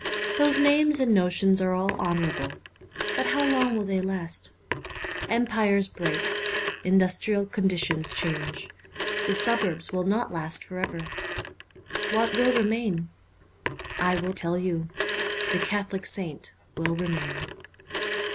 Those names and notions are all honourable, but how long will they last ? Empires break ; indus trial conditions change ; the suburbs will not last for ever. What will remain ? I will tell you : the Catholic saint will remain.